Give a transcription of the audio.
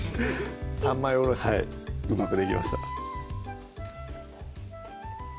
３枚おろしはいうまくできました